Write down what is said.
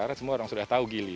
karena semua orang sudah tahu gili